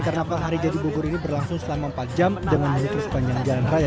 karnaval hari jadi bogor ini berlangsung selama empat jam dengan menutup sepanjang jalan raya